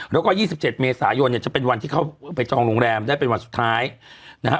แล้วก็๒๗เมษายนเนี่ยจะเป็นวันที่เขาไปจองโรงแรมได้เป็นวันสุดท้ายนะฮะ